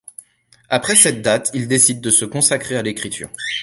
Après cette date, il décide de se consacrer à l'écriture.